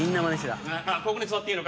ここに座っていいのか？